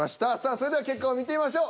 それでは結果を見てみましょう。